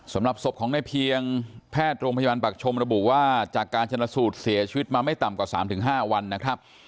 สำหรับศพของในเพียงแพทย์โรงพยาบาลปักชมระบุว่าจากการชนสูตรเสียชีวิตมาไม่ต่ำกว่า๓๕วันนะครับ